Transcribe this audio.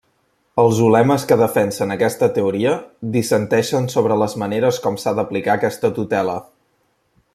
Els ulemes que defensen aquesta teoria dissenteixen sobre les maneres com s'ha d'aplicar aquesta tutela.